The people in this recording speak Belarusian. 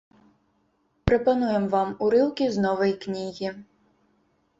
Прапануем вам урыўкі з новай кнігі.